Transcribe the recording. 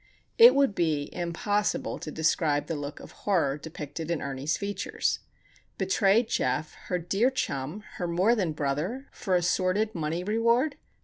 It would be impossible to describe the look of horror depicted in Ernie's features. Betray Geof, her dear chum, her more than brother, for a sordid money reward!